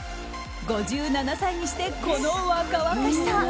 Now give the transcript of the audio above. ５７歳にして、この若々しさ。